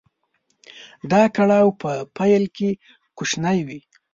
دا کړاو په پيل کې کوچنی وي.